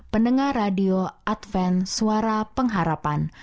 pendengar radio advent suara pengharapan